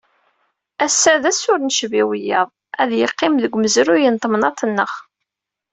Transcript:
Ass-a, d ass ur necbi wiyaḍ, ad yeqqim deg umezruy n temnaḍt-nneɣ.